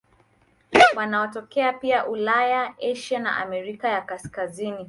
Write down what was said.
Wanatokea pia Ulaya, Asia na Amerika ya Kaskazini.